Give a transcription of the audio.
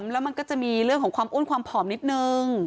แล้วมันก็จะมีเรื่องของความอ้วนความผอมนิดนึง